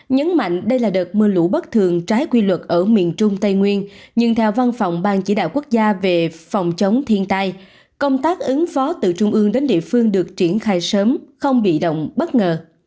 nhấn mạnh đây là đợt mưa lũ bất thường trái quy luật ở miền trung tây nguyên nhưng theo văn phòng ban chỉ đạo quốc gia về phòng chống thiên tai công tác ứng phó từ trung ương đến địa phương được triển khai sớm không bị động bất ngờ